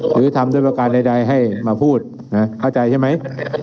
หรือทำด้วยประการใดให้มาพูดนะเข้าใจใช่ไหม